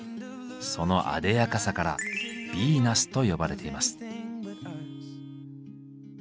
そのあでやかさから「ヴィーナス」と呼ばれています。